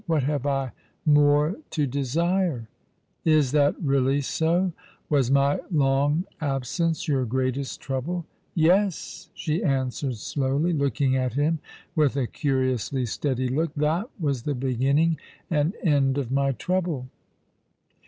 What have I more to desire ?"" Is that really so ? Was my long absence your greatest trouble ?" "Yes," she answered slowly, looking at him with a curiously steady look, " that was the beginning and end of my trouble."